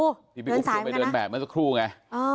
เดินสายไหมนะพี่อุ๊ปจะไปเดินแบบเมื่อสักครู่ไง